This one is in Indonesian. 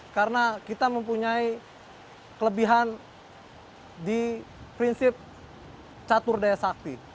karena kita mempunyai kelebihan di prinsip catur daya sakti